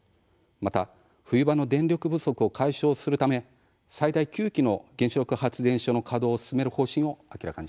また、冬場の電力不足を解消するため最大９基の原子力発電所の稼働を進める方針を明らかにしました。